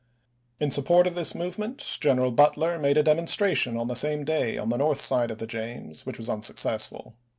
In support of this movement General Butler made a demonstration on the same day on the north side of the James which was unsuccessful.